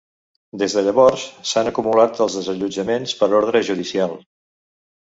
Des de llavors, s’han acumulat els desallotjaments per ordre judicial.